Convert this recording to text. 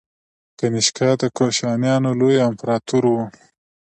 کنیشکا د کوشانیانو لوی امپراتور و